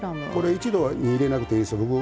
一度に入れなくていいんです。